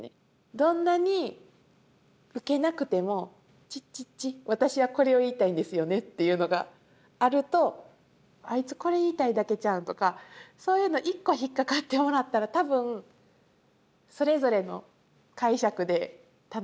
どんなにウケなくてもチッチッチ私はこれを言いたいんですよねっていうのがあるとあいつこれ言いたいだけちゃうんとかそういうの１個引っ掛かってもらったら多分それぞれの解釈で楽しんでもらえるかなと思うんですけど。